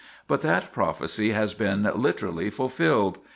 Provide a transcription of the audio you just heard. But that prophecy has been literally fulfilled.